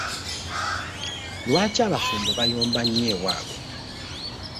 Lwaki abafumbo bayomba nnyo ewabwe.